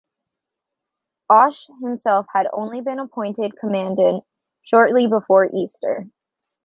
Ashe himself had only been appointed commandant shortly before Easter.